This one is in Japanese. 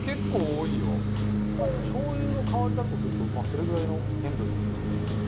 カズレーザー：しょうゆの代わりだとするとそれぐらいの塩分なんですかね。